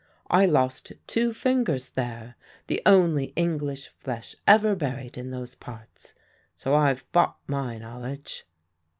I lost two fingers there the only English flesh ever buried in those parts so I've bought my knowledge."